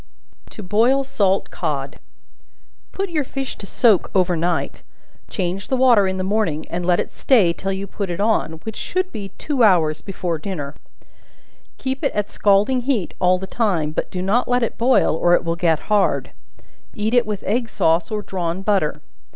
To Boil Salt Cod. Put your fish to soak over night; change the water in the morning, and let it stay till you put it on, which should be two hours before dinner; keep it at scalding heat all the time, but do not let it boil, or it will get hard; eat it with egg sauce or drawn butter.